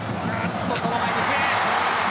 その前に笛。